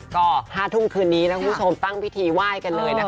ก็๕ทุ่งคืนนี้นักผู้ชมตั้งพิธีไหว้กันเลย